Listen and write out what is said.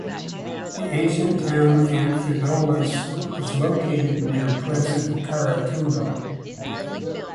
The ancient town Amphidolis was located near present Karatoula.